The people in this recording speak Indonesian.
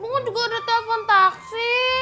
pengunjung juga udah telepon taksi